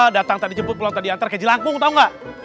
datang tadi jemput pulang tadi antar keji langkung tau gak